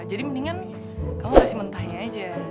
jadi mendingan kamu kasih mentahnya aja